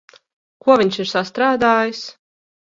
Ko viņš ir sastrādājis?